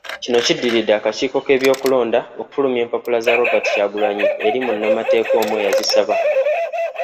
Kino kiddiridde akakiiko k’ebyokulonda okufulumya empapula za Robert Kyagulanyi eri munnamateeka omu eyazisaba.